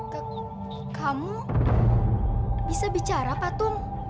kamu bisa bicara patung